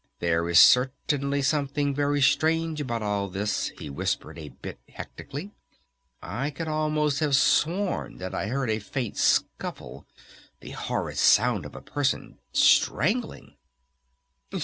"There is certainly something very strange about all this," he whispered a bit hectically. "I could almost have sworn that I heard a faint scuffle, the horrid sound of a person strangling."